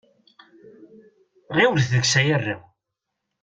Ɣiwlet deg-s ay arraw!